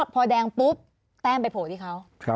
พอแดงปุ๊บแต้มไปโผล่ที่เขา